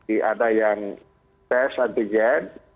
ada yang tes antigen